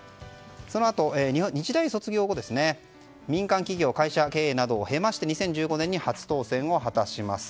そのあと日大卒業後民間企業、会社経営などを経まして２０１５年に初当選を果たします。